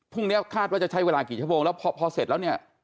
คาดว่าจะใช้เวลากี่ชั่วโมงแล้วพอเสร็จแล้วเนี่ย